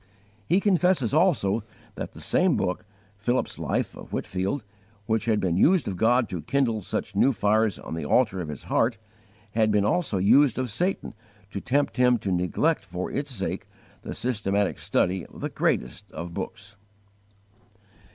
He confesses also that the same book, Philip's Life of Whitefield, which had been used of God to kindle such new fires on the altar of his heart, had been also used of Satan to tempt him to neglect for its sake the systematic study of the greatest of books.